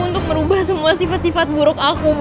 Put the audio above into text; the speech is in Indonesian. untuk merubah semua sifat sifat buruk aku